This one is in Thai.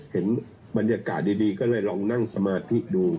เห็นบรรยากาศดีก็เลยลองนั่งสมาธิดู